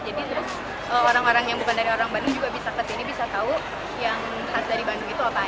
jadi terus orang orang yang bukan dari orang bandung juga bisa kesini bisa tahu yang khas dari bandung itu apa aja